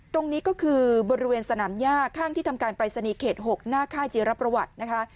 ตรงนี้ก็คือบริเวณสนามย่าข้างที่ทำการปรายศนีย์เขต๖หน้าค่ายจีรประวัตินะคะ